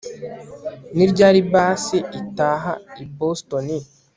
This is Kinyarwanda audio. Ni ryari bus itaha i Boston